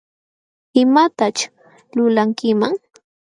¿Imataćh lulankiman?